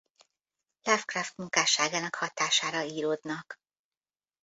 Lovecraft munkásságának hatására íródnak.